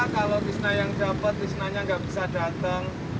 kalau disnanya yang dapat disnanya nggak bisa datang